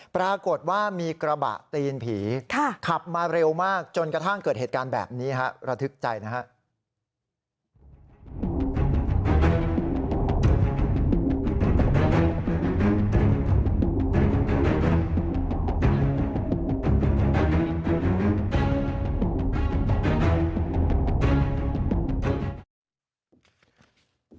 ปรากฏว่ามีกระบะตีนผีขับมาเร็วมากจนกระทั่งเกิดเหตุการณ์แบบนี้ฮะระทึกใจนะครับ